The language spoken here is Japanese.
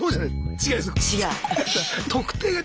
違います。